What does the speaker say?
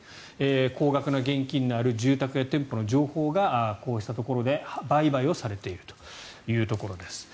高額な現金のある住宅や店舗の情報がこうしたところで売買されているというところです。